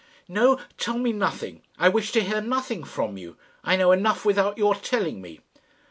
"No; tell me nothing. I wish to hear nothing from you. I know enough without your telling me."